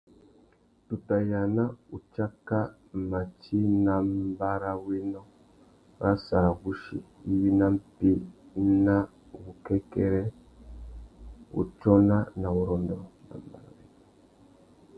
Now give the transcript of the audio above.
Tu tà yāna utsáka mati nà mbarrawénô râ sarawussi iwí nà mpí ná wukêkêrê, wutsôna na wurrôndô.